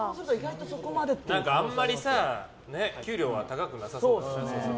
あんまりさ給料は高くなさそうですよね。